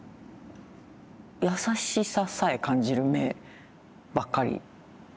優しささえ感じる目ばっかり。